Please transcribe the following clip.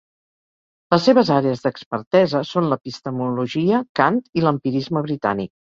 Les seves àrees d'expertesa són l'epistemologia, Kant i l'empirisme britànic.